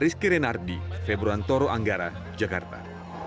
rizky renardi februar toro anggara jakarta